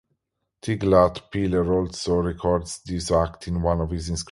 Tiglath-Pileser also records this act in one of his inscriptions.